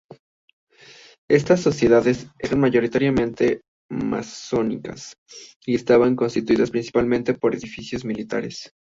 Estas sociedades eran mayoritariamente masónicas y estaban constituidas principalmente por oficiales militares.